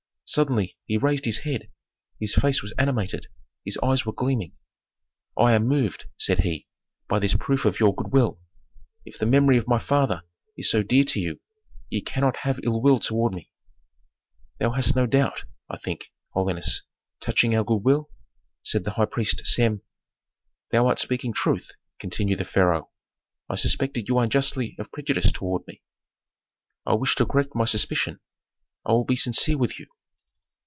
Suddenly he raised his head; his face was animated, his eyes were gleaming. "I am moved," said he, "by this proof of your good will. If the memory of my father is so dear to you ye cannot have ill will toward me." "Thou hast no doubt, I think, holiness, touching our good will?" said the high priest Sem. "Thou art speaking truth," continued the pharaoh. "I suspected you unjustly of prejudice toward me. I wish to correct my suspicion; I will be sincere with you."